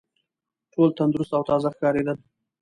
ټول تندرست او تازه ښکارېدل.